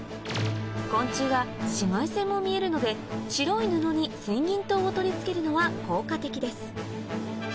昆虫は紫外線も見えるので白い布に水銀灯を取り付けるのは効果的です